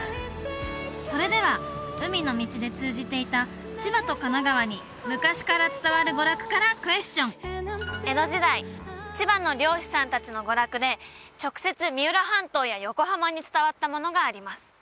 それでは海の道で通じていた千葉と神奈川に昔から伝わる娯楽からクエスチョン江戸時代千葉の漁師さん達の娯楽で直接三浦半島や横浜に伝わったものがあります